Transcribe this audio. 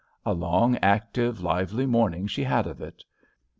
A long, active, lively morning she had of it.